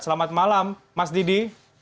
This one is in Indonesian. selamat malam mas didi